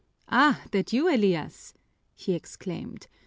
"Ah, that you, Elias?" he exclaimed.